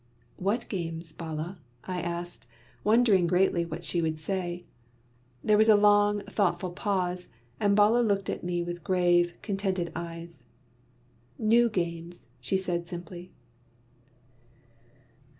"What games, Bala?" I asked, wondering greatly what she would say. There was a long, thoughtful pause, and Bala looked at me with grave, contented eyes: "New games," she said simply.